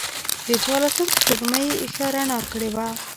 د څوارلسمم سپوږمۍ ښه رڼا کړې وه.